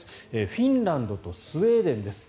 フィンランドとスウェーデンです。